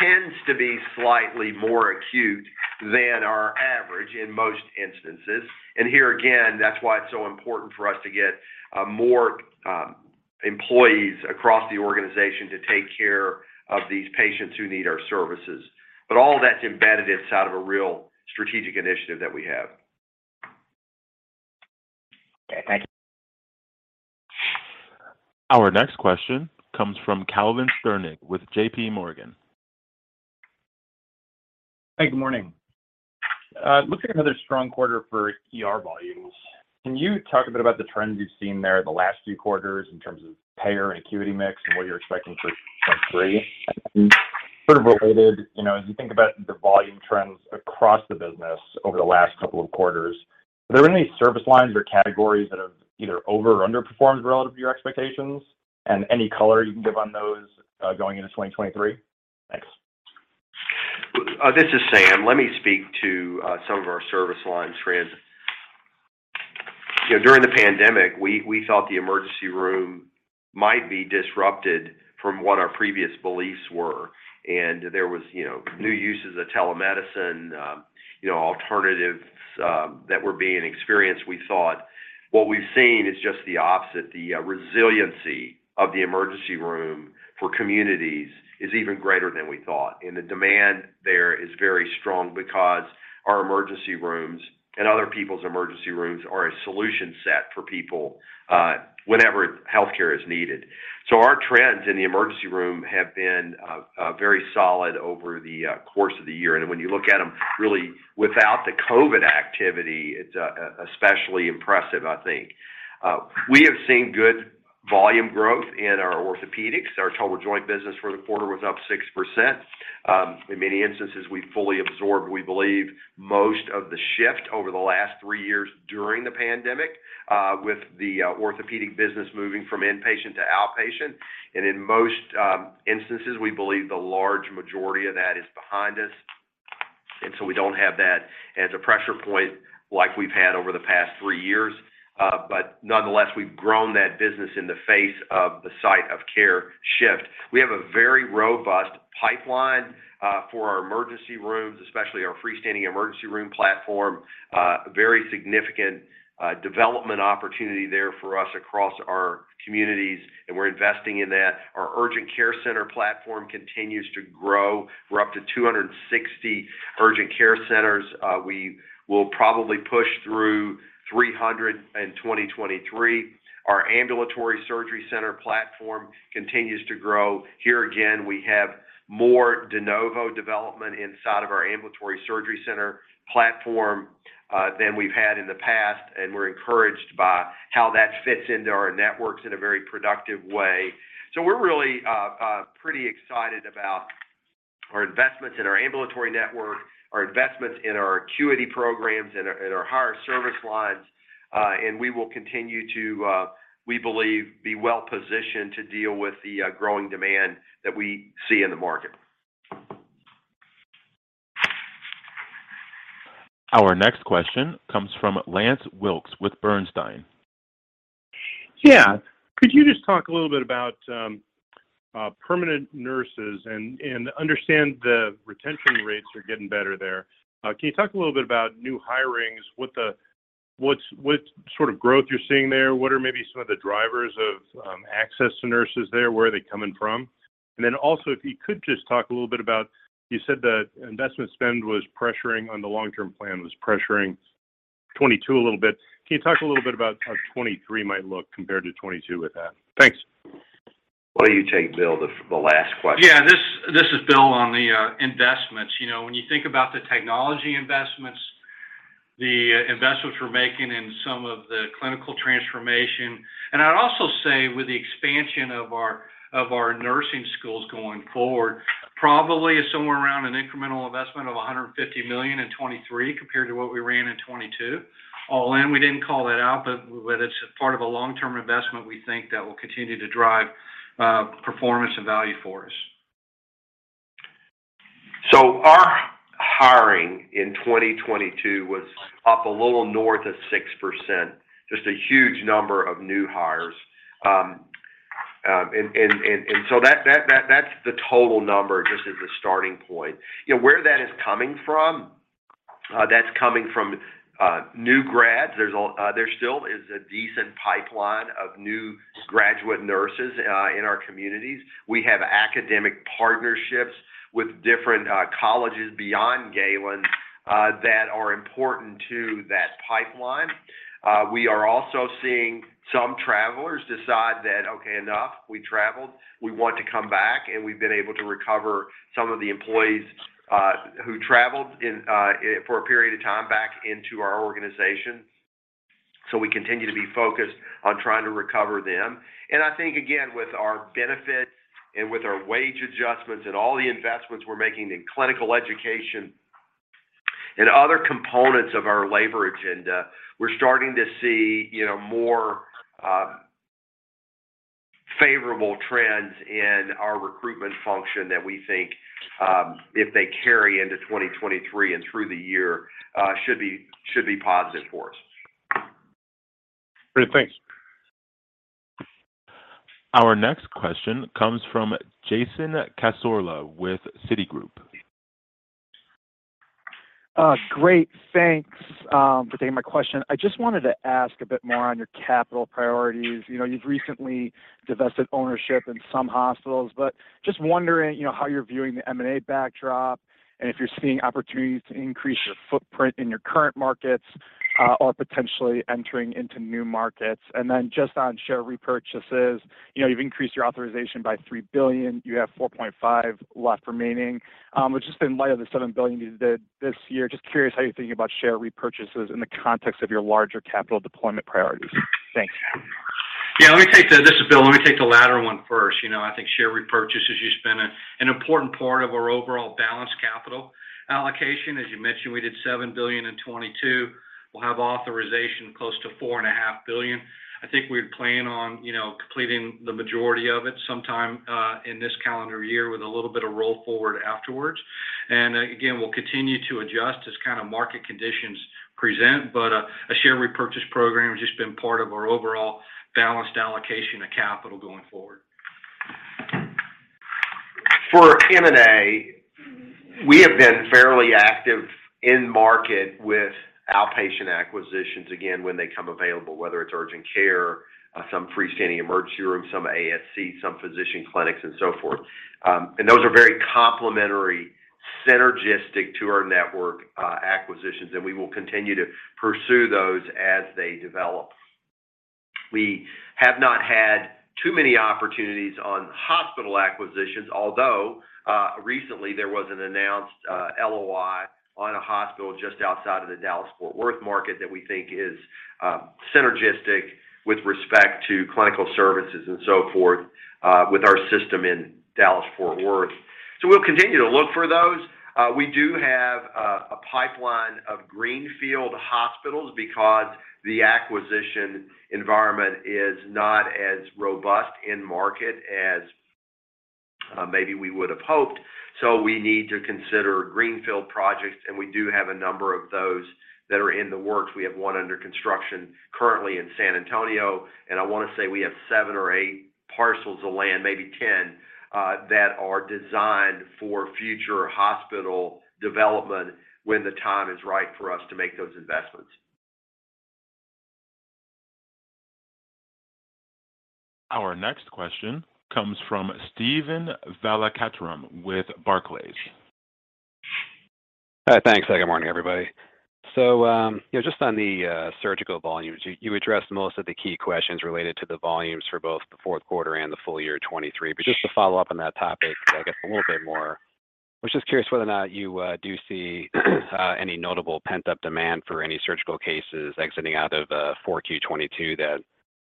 tends to be slightly more acute than our average in most instances. Here again, that's why it's so important for us to get more employees across the organization to take care of these patients who need our services. All that's embedded inside of a real strategic initiative that we have. Okay. Thank you. Our next question comes from Calvin Sternick with JPMorgan. Hey, good morning. Looks like another strong quarter for ER volumes. Can you talk a bit about the trends you've seen there the last few quarters in terms of payer and acuity mix and what you're expecting for 2023? Sort of related, you know, as you think about the volume trends across the business over the last couple of quarters, are there any service lines or categories that have either over or underperformed relative to your expectations? Any color you can give on those going into 2023? Thanks. This is Sam. Let me speak to some of our service lines trends. You know, during the pandemic, we thought the emergency room might be disrupted from what our previous beliefs were. There was, you know, new uses of telemedicine, you know, alternatives that were being experienced, we thought what we've seen is just the opposite. The resiliency of the emergency room for communities is even greater than we thought. The demand there is very strong because our emergency rooms and other people's emergency rooms are a solution set for people whenever healthcare is needed. Our trends in the emergency room have been very solid over the course of the year. When you look at them, really without the COVID activity, it's especially impressive, I think. We have seen good volume growth in our orthopedics. Our total joint business for the quarter was up 6%. In many instances, we fully absorbed, we believe, most of the shift over the last 3 years during the pandemic, with the orthopedic business moving from inpatient to outpatient. In most instances, we believe the large majority of that is behind us. We don't have that as a pressure point like we've had over the past three years. Nonetheless, we've grown that business in the face of the site of care shift. We have a very robust pipeline for our emergency rooms, especially our freestanding emergency room platform. Very significant development opportunity there for us across our communities, and we're investing in that. Our urgent care center platform continues to grow. We're up to 260 urgent care centers. We will probably push through 300 in 2023. Our ambulatory surgery center platform continues to grow. Here, again, we have more de novo development inside of our ambulatory surgery center platform than we've had in the past, and we're encouraged by how that fits into our networks in a very productive way. We're really pretty excited about our investments in our ambulatory network, our investments in our acuity programs, and our, and our higher service lines. We will continue to, we believe, be well-positioned to deal with the growing demand that we see in the market. Our next question comes from Lance Wilkes with Bernstein. Yeah. Could you just talk a little bit about permanent nurses and understand the retention rates are getting better there. Can you talk a little bit about new hirings? What's sort of growth you're seeing there? What are maybe some of the drivers of access to nurses there? Where are they coming from? Also, if you could just talk a little bit about, you said the investment spend was pressuring on the long-term plan, was pressuring 2022 a little bit. Can you talk a little bit about how 2023 might look compared to 2022 with that? Thanks. Why don't you take, Bill, the last question? Yeah, this is Bill on the investments. You know, when you think about the technology investments, the investments we're making in some of the clinical transformation. I'd also say with the expansion of our nursing schools going forward, probably is somewhere around an incremental investment of $150 million in 2023 compared to what we ran in 2022. All in, we didn't call that out, but it's part of a long-term investment we think that will continue to drive performance and value for us. Our hiring in 2022 was up a little north of 6%, just a huge number of new hires. That's the total number, just as a starting point. You know, where that is coming from, that's coming from new grads. There still is a decent pipeline of new graduate nurses in our communities. We have academic partnerships with different colleges beyond Galen that are important to that pipeline. We are also seeing some travelers decide that, "Okay, enough. We traveled. We want to come back," and we've been able to recover some of the employees who traveled in for a period of time back into our organization. We continue to be focused on trying to recover them. I think, again, with our benefits and with our wage adjustments and all the investments we're making in clinical education and other components of our labor agenda, we're starting to see, you know, more favorable trends in our recruitment function that we think, if they carry into 2023 and through the year, should be positive for us. Great. Thanks. Our next question comes from Jason Cassorla with Citigroup. Great. Thanks for taking my question. I just wanted to ask a bit more on your capital priorities. You know, you've recently divested ownership in some hospitals, but just wondering, you know, how you're viewing the M&A backdrop, and if you're seeing opportunities to increase your footprint in your current markets, or potentially entering into new markets. Just on share repurchases, you know, you've increased your authorization by $3 billion. You have $4.5 billion left remaining. But just in light of the $7 billion you did this year, just curious how you're thinking about share repurchases in the context of your larger capital deployment priorities. Thanks. Yeah. Let me take This is Bill. Let me take the latter one first. You know, I think share repurchases, an important part of our overall balanced capital allocation. As you mentioned, we did $7 billion in 2022. We'll have authorization close to $4.5 billion. I think we plan on, you know, completing the majority of it sometime in this calendar year with a little bit of roll forward afterwards. Again, we'll continue to adjust as kind of market conditions present. A share repurchase program has just been part of our overall balanced allocation of capital going forward. For M&A, we have been fairly active in market with outpatient acquisitions, again, when they come available, whether it's urgent care, some freestanding emergency rooms, some ASC, some physician clinics, and so forth. Those are very complementary, synergistic to our network, acquisitions, and we will continue to pursue those as they develop. We have not had too many opportunities on hospital acquisitions, although, recently there was an announced LOI on a hospital just outside of the Dallas-Fort Worth market that we think is synergistic with respect to clinical services and so forth, with our system in Dallas-Fort Worth. We'll continue to look for those. We do have a pipeline of greenfield hospitals because the acquisition environment is not as robust in market as maybe we would have hoped. We need to consider greenfield projects, and we do have a number of those that are in the works. We have one under construction currently in San Antonio, and I wanna say we have seven or eight parcels of land, maybe 10, that are designed for future hospital development when the time is right for us to make those investments. Our next question comes from Steven Valiquette with Barclays. Thanks. Good morning, everybody. You know, just on the surgical volumes, you addressed most of the key questions related to the volumes for both the fourth quarter and the full year 2023. Just to follow up on that topic, I guess, a little bit more, I was just curious whether or not you do see any notable pent-up demand for any surgical cases exiting out of 4Q22 that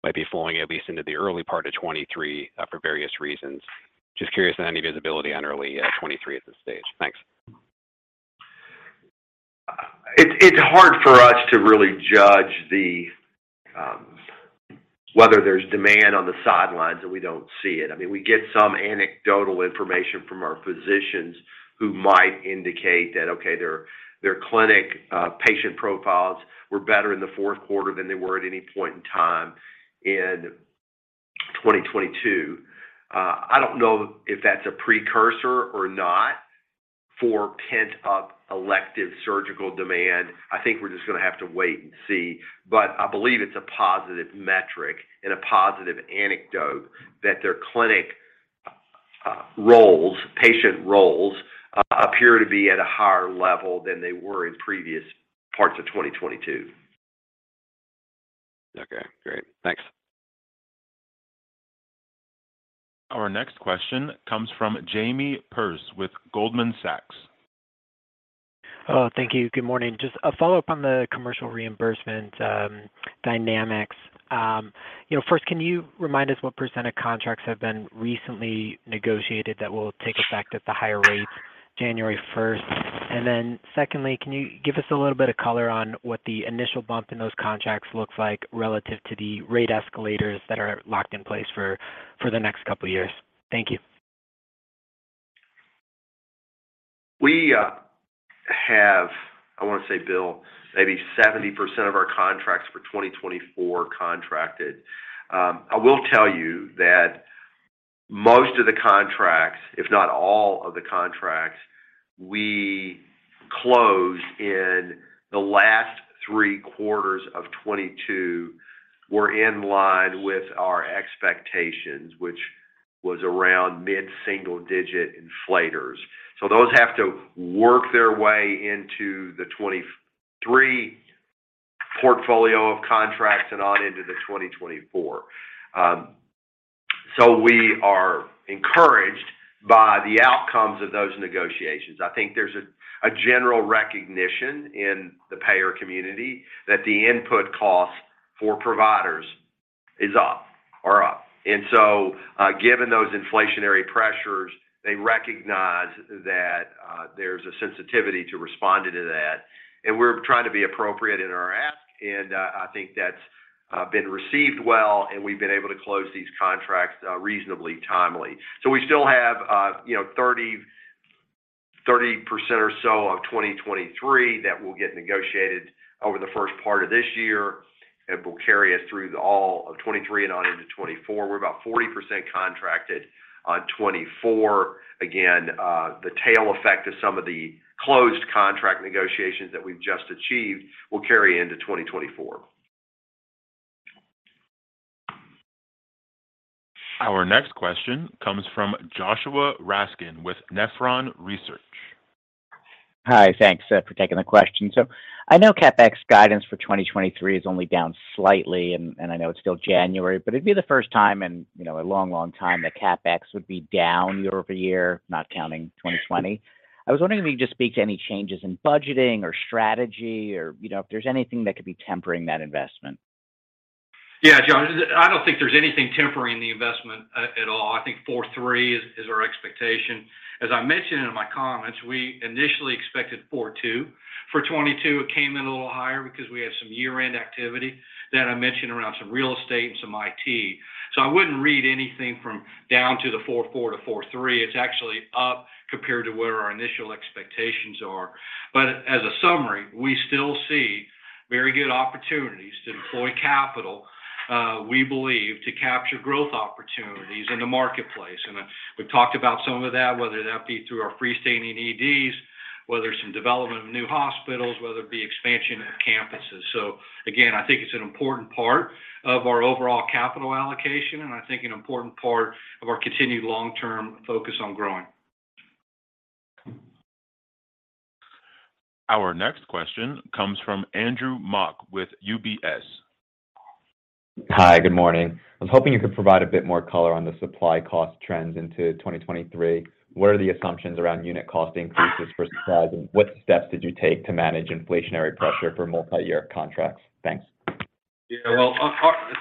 might be flowing at least into the early part of 2023 for various reasons. Just curious on any visibility on early 2023 at this stage. Thanks. It's hard for us to really judge the whether there's demand on the sidelines, and we don't see it. I mean, we get some anecdotal information from our physicians who might indicate that, okay, their clinic patient profiles were better in the fourth quarter than they were at any point in time in 2022. I don't know if that's a precursor or not for pent-up elective surgical demand. I think we're just gonna have to wait and see. I believe it's a positive metric and a positive anecdote that their clinic roles, patient roles, appear to be at a higher level than they were in previous parts of 2022. Okay, great. Thanks. Our next question comes from Jamie Perse with Goldman Sachs. Hello. Thank you. Good morning. Just a follow-up on the commercial reimbursement dynamics. You know, first, can you remind us what % of contracts have been recently negotiated that will take effect at the higher rates January first? Secondly, can you give us a little bit of color on what the initial bump in those contracts looks like relative to the rate escalators that are locked in place for the next couple of years? Thank you. We have, I wanna say, Bill, maybe 70% of our contracts for 2024 contracted. I will tell you that most of the contracts, if not all of the contracts we closed in the last 3 quarters of 2022 were in line with our expectations, which was around mid-single-digit inflators. Those have to work their way into the 2023 portfolio of contracts and on into the 2024. We are encouraged by the outcomes of those negotiations. I think there's a general recognition in the payer community that the input costs for providers are up. Given those inflationary pressures, they recognize that there's a sensitivity to responding to that, and we're trying to be appropriate in our ask. I think that's been received well, and we've been able to close these contracts reasonably timely. We still have, you know, 30% or so of 2023 that will get negotiated over the first part of this year. It will carry us through the all of 2023 and on into 2024. We're about 40% contracted on 2024. Again, the tail effect of some of the closed contract negotiations that we've just achieved will carry into 2024. Our next question comes from Joshua Raskin with Nephron Research. Hi. Thanks for taking the question. I know CapEx guidance for 2023 is only down slightly, and I know it's still January, but it'd be the first time in, you know, a long time that CapEx would be down year-over-year, not counting 2020. I was wondering if you could just speak to any changes in budgeting or strategy or, you know, if there's anything that could be tempering that investment. John, I don't think there's anything tempering the investment at all. I think $4.3 is our expectation. As I mentioned in my comments, we initially expected $4.2. For 2022, it came in a little higher because we had some year-end activity that I mentioned around some real estate and some IT. I wouldn't read anything from down to the $4.4-$4.3. It's actually up. Compared to where our initial expectations are. As a summary, we still see very good opportunities to deploy capital, we believe, to capture growth opportunities in the marketplace. We've talked about some of that, whether that be through our freestanding EDs, whether it's in development of new hospitals, whether it be expansion of campuses. Again, I think it's an important part of our overall capital allocation, and I think an important part of our continued long-term focus on growing. Our next question comes from Andrew Mok with UBS. Hi. Good morning. I was hoping you could provide a bit more color on the supply cost trends into 2023. What are the assumptions around unit cost increases for supplies, and what steps did you take to manage inflationary pressure for multi-year contracts? Thanks. Yeah. Well,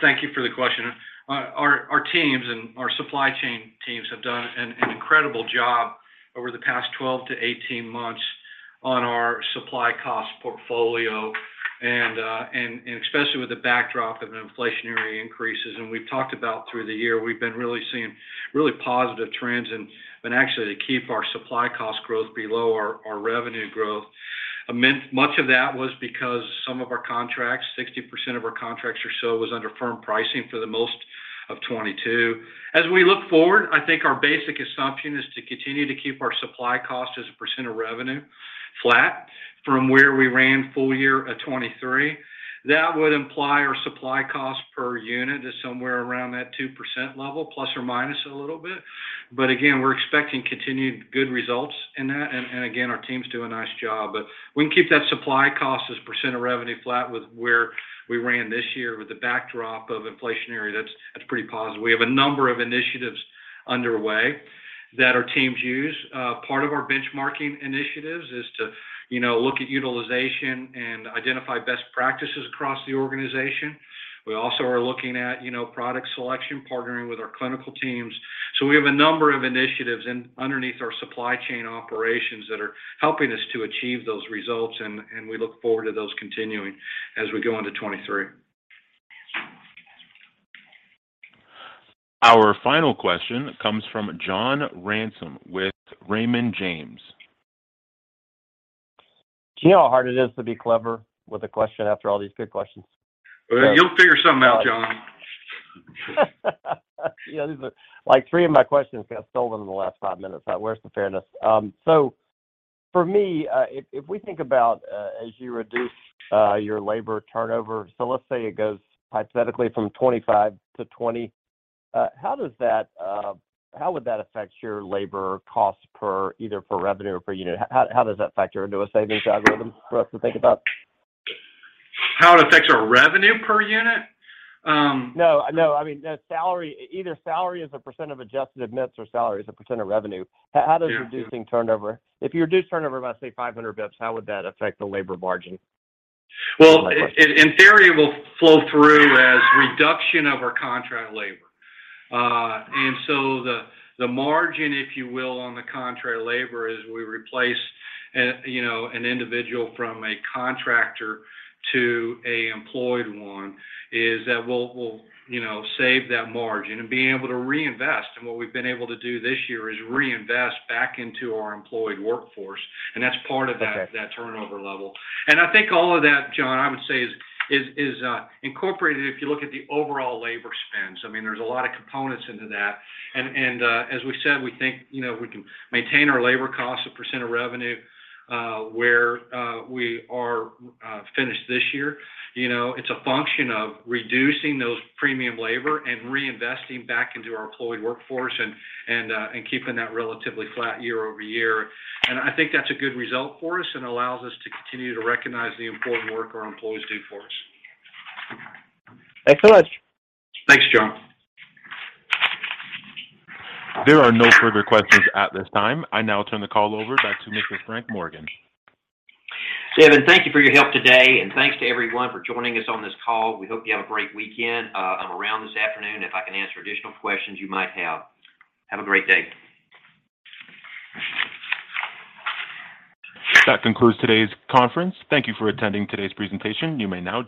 thank you for the question. Our teams and our supply chain teams have done an incredible job over the past 12 to 18 months on our supply cost portfolio and especially with the backdrop of inflationary increases. We've talked about through the year, we've been really seeing really positive trends and actually to keep our supply cost growth below our revenue growth. Much of that was because some of our contracts, 60% of our contracts or so was under firm pricing for the most of 2022. We look forward, I think our basic assumption is to continue to keep our supply cost as a percent of revenue flat from where we ran full year at 2023. That would imply our supply cost per unit is somewhere around that 2% level, plus or minus a little bit. Again, we're expecting continued good results in that, and again, our team's doing a nice job. We can keep that supply cost as % of revenue flat with where we ran this year with the backdrop of inflationary. That's pretty positive. We have a number of initiatives underway that our teams use. Part of our benchmarking initiatives is to, you know, look at utilization and identify best practices across the organization. We also are looking at, you know, product selection, partnering with our clinical teams. We have a number of initiatives underneath our supply chain operations that are helping us to achieve those results, and we look forward to those continuing as we go into 2023. Our final question comes from John Ransom with Raymond James. Do you know how hard it is to be clever with a question after all these good questions? Well, you'll figure something out, John. Yeah. These are... Like, three of my questions got stolen in the last five minutes. Now where's the fairness? For me, if we think about as you reduce your labor turnover, so let's say it goes hypothetically from 25 to 20, how would that affect your labor cost per either per revenue or per unit? How does that factor into a savings algorithm for us to think about? How it affects our revenue per unit? No, no. I mean, the salary, either salary as a percentage of adjusted admits or salary as a percentage of revenue. Yeah. Yeah. If you reduce turnover by, say, 500 basis points, how would that affect the labor margin? Well, in theory, it will flow through as reduction of our contract labor. The margin, if you will, on the contract labor as we replace, you know, an individual from a contractor to a employed one, is that we'll, you know, save that margin and be able to reinvest. What we've been able to do this year is reinvest back into our employed workforce, and that's part of that- Okay... that turnover level. I think all of that, John, I would say is incorporated if you look at the overall labor spends. I mean, there's a lot of components into that. As we said, we think, you know, we can maintain our labor costs a % of revenue where we are finished this year. You know, it's a function of reducing those premium labor and reinvesting back into our employed workforce and keeping that relatively flat year-over-year. I think that's a good result for us and allows us to continue to recognize the important work our employees do for us. Thanks so much. Thanks, John. There are no further questions at this time. I now turn the call over back to Mr. Frank Morgan. Kevin, thank you for your help today. Thanks to everyone for joining us on this call. We hope you have a great weekend. I'm around this afternoon if I can answer additional questions you might have. Have a great day. That concludes today's conference. Thank you for attending today's presentation. You may now.